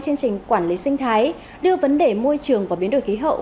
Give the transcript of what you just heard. chương trình quản lý sinh thái đưa vấn đề môi trường và biến đổi khí hậu